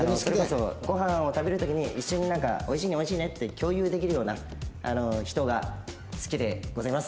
ご飯を食べる時に一緒に美味しいね美味しいねって共有できるような人が好きでございます。